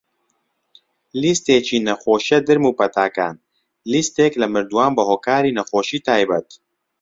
لیستێکی نەخۆشیە درم و پەتاکان - لیستێک لە مردووان بەهۆکاری نەخۆشی تایبەت.